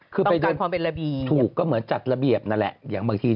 คือต้องการความเป็นระเบียบถูกก็เหมือนจัดระเบียบนั่นแหละอย่างบางที